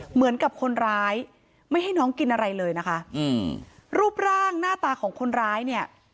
เหมือนกับคนร้ายไม่ให้น้องกินอะไรเลยนะคะอืมรูปร่างหน้าตาของคนร้ายเนี่ย